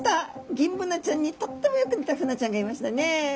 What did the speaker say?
ギンブナちゃんにとってもよく似たフナちゃんがいましたね。